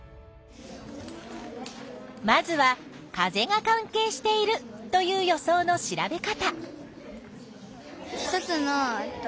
まずは風が関係しているという予想の調べ方。